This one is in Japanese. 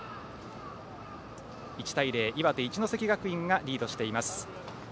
１対０、岩手・一関学院がリードしています。